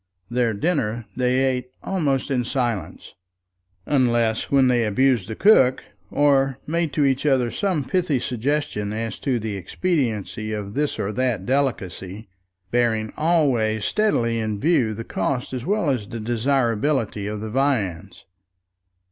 Their dinner they ate almost in silence, unless when they abused the cook, or made to each other some pithy suggestion as to the expediency of this or that delicacy, bearing always steadily in view the cost as well as desirability of the viands.